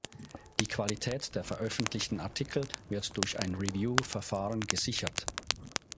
Die Qualität der veröffentlichten Artikel wird durch ein Review-Verfahren gesichert.